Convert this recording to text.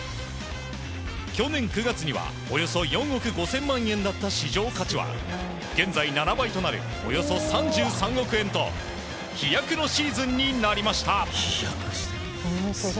去年９月にはおよそ４億５０００万円だった市場価値は現在、７倍となるおよそ３３億円と飛躍のシーズンになりました。